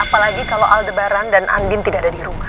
apalagi kalau aldebaran dan andin tidak ada di rumah